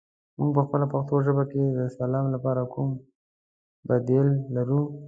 موږ پخپله پښتو ژبه کې د سلام لپاره کوم بدیل لرو؟